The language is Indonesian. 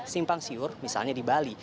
simpang siur misalnya di bali